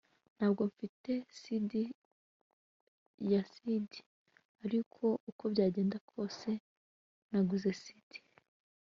ntabwo mfite cd ya cd, ariko uko byagenda kose naguze cd